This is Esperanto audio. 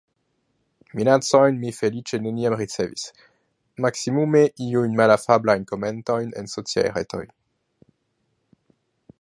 Minacojn mi feliĉe neniam ricevis, maksimume iujn malafablajn komentojn en sociaj retoj.